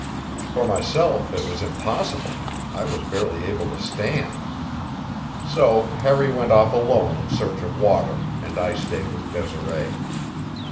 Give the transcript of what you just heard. For myself it was impossible; I was barely able to stand. So Harry went off alone in search of water and I stayed with Desiree.